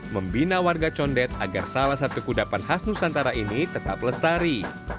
membina warga condet agar salah satu kudapan khas nusantara ini tetap lestari